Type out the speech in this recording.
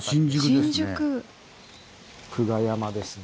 久我山ですね。